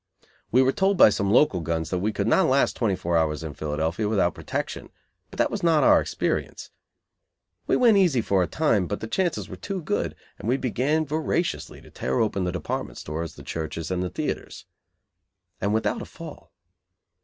We were told by some local guns that we could not "last" twenty four hours in Philadelphia without protection, but that was not our experience. We went easy for a time, but the chances were too good, and we began voraciously to tear open the department stores, the churches and the theatres; and without a fall.